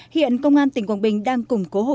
hiện công an tỉnh quảng bình đang cùng công tác